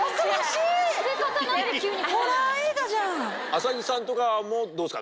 麻木さんとかもどうですか？